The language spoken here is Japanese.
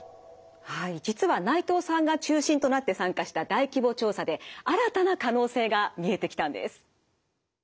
はい実は内藤さんが中心となって参加した大規模調査で新たな可能性が見えてきたんです。